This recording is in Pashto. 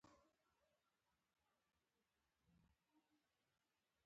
د شاه عالم له خوا هغه لیک وو.